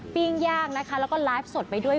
ปิ้งย่างนะคะแล้วก็ไลฟ์สดไปด้วย